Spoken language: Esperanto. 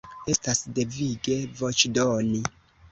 Estas devige voĉdoni.